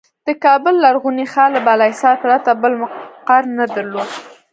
د کابل لرغوني ښار له بالاحصار پرته بل مقر نه درلود.